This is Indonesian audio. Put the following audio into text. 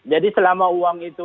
jadi selama uang itu